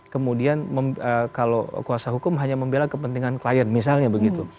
kemudian kalau kuasa hukum hanya membela kepentingan klien misalnya begitu